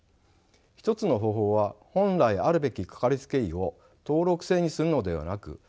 一つの方法は本来あるべきかかりつけ医を登録制にするのではなく選択